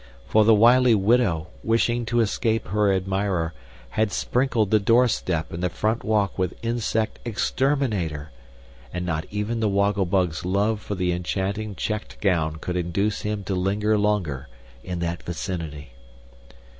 For the wily widow, wishing to escape her admirer, had sprinkled the door step and the front walk with insect Exterminator, and not even the Woggle Bug's love for the enchanting checked gown could induce him to linger longer in that vicinity.